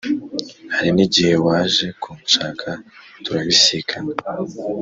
hari n’igihe waje kunshaka turabisikana